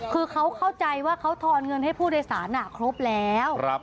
คือเขาเข้าใจว่าเขาทอนเงินให้ผู้โดยสารครบแล้ว